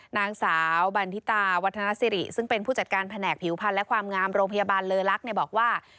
นางสาวบันทิตาวัฒนสิริซึ่งเป็นผู้จัดการแผนกผิวพันธ์และความงามโรงพยาบาลเลอลักษณ์บอกว่า